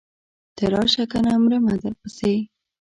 ته راشه کنه مرمه درپسې.